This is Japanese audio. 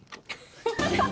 ハハハハ！